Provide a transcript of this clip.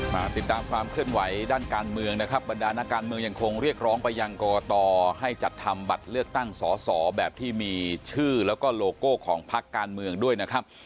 มาติดตามความเคลื่อนไหวด้านการเมืองนะครับบรรดานักการเมืองยังคงเรียกร้องไปยังกรกตให้จัดทำบัตรเลือกตั้งสอสอแบบที่มีชื่อแล้วก็โลโก้ของพักการเมืองด้วยนะครับ